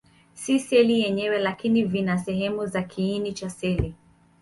Si seli yenyewe, lakini vina sehemu za kiini cha seli.